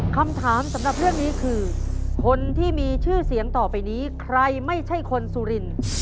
คำถามสำหรับเรื่องนี้คือคนที่มีชื่อเสียงต่อไปนี้ใครไม่ใช่คนสุรินทร์